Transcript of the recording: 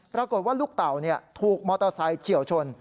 ปรากฏว่าลูกเต่าถูกมอเตอร์ไซค์เฉียวชน